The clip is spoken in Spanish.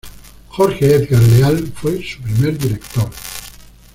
Jorge Edgar Leal fue su primer director.